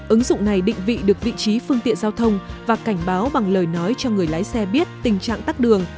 ứng dụng này định vị được vị trí phương tiện giao thông và cảnh báo bằng lời nói cho người lái xe biết tình trạng tắt đường